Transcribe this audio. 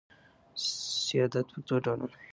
سیادت پر دوه ډوله دئ.